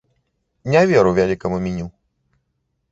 Не веру вялікаму меню.